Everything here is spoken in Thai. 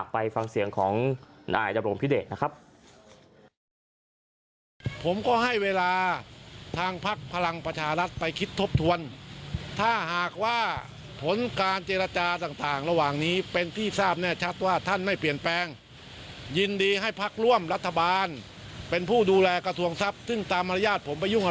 ไปฟังเสียงของนายดำรงพิเดชนะครับ